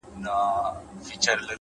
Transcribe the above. وخت د ژمنتیا رښتینولی ازموي,